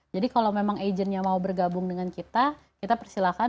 jadi kalau memang agentnya mau bergabung dengan kita kita persilahkan